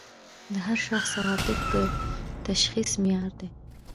د هر شخص عواطف د تشخیص معیار دي.